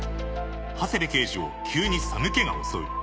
長谷部刑事を急に寒気が襲う。